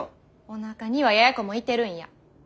おなかにはややこもいてるんや。